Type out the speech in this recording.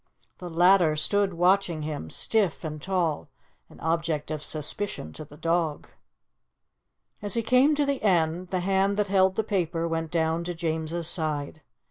The latter stood watching him, stiff and tall, an object of suspicion to the dog. As he came to the end, the hand that held the paper went down to James's side.